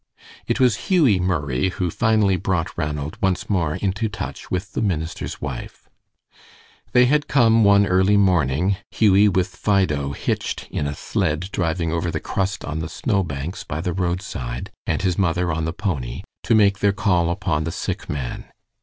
It was Hughie Murray who finally brought Ranald once more into touch with the minister's wife. They had come one early morning, Hughie with Fido "hitched" in a sled driving over the "crust" on the snow banks by the roadside, and his mother on the pony, to make their call upon the sick man.